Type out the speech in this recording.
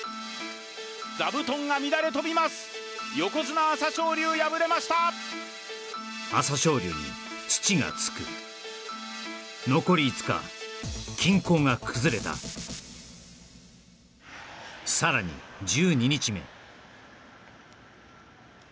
座布団が乱れ飛びます横綱・朝青龍敗れました朝青龍に土が付く残り５日均衡が崩れたさらに１２日目